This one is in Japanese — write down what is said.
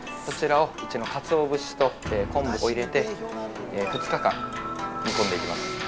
そちらを、うちのカツオ節と昆布を入れて２日間、煮込んでいきます。